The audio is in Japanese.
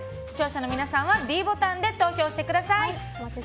視聴者の皆さんはｄボタンで投票してください。